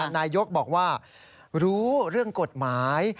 นายกบอกว่ารู้เรื่องกฎหมาย